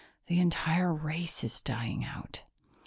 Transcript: "The entire race is dying out."